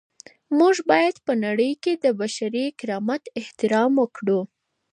موږ باید په نړۍ کي د بشري کرامت احترام وکړو.